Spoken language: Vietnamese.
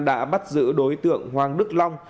đã bắt giữ đối tượng hoàng đức long